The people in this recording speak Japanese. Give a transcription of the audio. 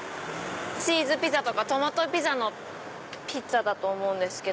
チーズピザとかトマトピザのピッツァだと思うんですけど。